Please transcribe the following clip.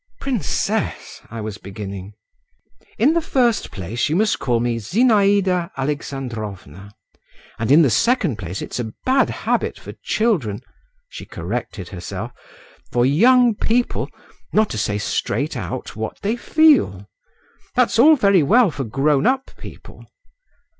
"Princess …" I was beginning. "In the first place, you must call me Zinaïda Alexandrovna, and in the second place it's a bad habit for children"—(she corrected herself) "for young people—not to say straight out what they feel. That's all very well for grown up people.